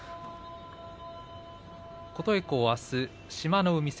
琴恵光はあす志摩ノ海戦。